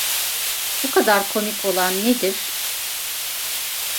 Bu kadar komik olan nedir?